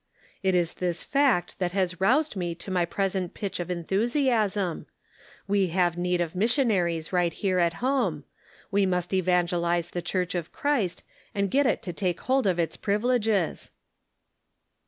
It is this fact that has roused me to my present pitch of enthusiasm ; we have need of missionaries right here at home ; we must evangelize the Church of Christ, and get it to take hold of its privileges